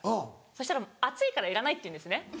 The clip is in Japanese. そしたら「暑いからいらない」って言うんですね。